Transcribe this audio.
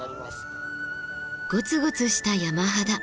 ゴツゴツした山肌。